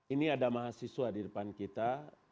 ini ada mahasiswa di depan kita